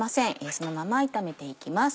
そのまま炒めていきます。